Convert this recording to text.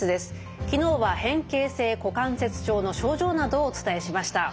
昨日は変形性股関節症の症状などをお伝えしました。